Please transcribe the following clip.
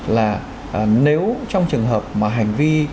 là nếu trong trường hợp mà hành vi